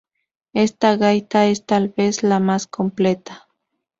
Esta gaita es tal vez la más completa.